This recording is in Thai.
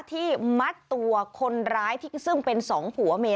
ที่มัดตัวคนร้ายซึ่งเป็นสองผัวเมีย